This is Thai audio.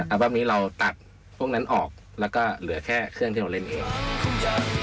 บั้มนี้เราตัดพวกนั้นออกแล้วก็เหลือแค่เครื่องที่เราเล่นเอง